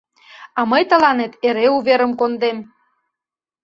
А мый тыланет эре уверым кондем.